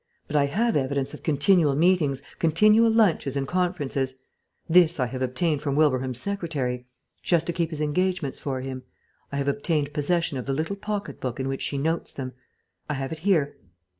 But I have evidence of continual meetings, continual lunches and conferences. This I have obtained from Wilbraham's secretary. She has to keep his engagements for him. I have obtained possession of the little pocket book in which she notes them. I have it here.